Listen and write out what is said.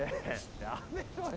やめろよ！